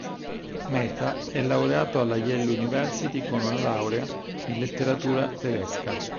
Mehta è laureato alla Yale University con una laurea in letteratura tedesca.